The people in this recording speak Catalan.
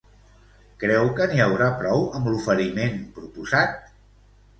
Creu que n'hi haurà prou amb l'oferiment proposat?